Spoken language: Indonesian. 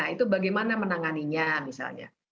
itu bagaimana menanganinya misalnya